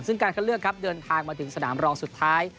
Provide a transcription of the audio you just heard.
ซึ่งการคัดเลือกครับเดินทางมาถึงสนามรองสุดท้าย